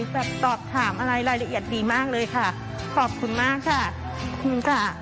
แบบสอบถามอะไรรายละเอียดดีมากเลยค่ะขอบคุณมากค่ะขอบคุณค่ะ